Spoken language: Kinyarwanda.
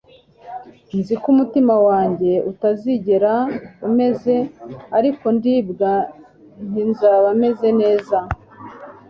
nzi ko umutima wanjye utazigera umeze ariko ndibwira nti nzaba meze neza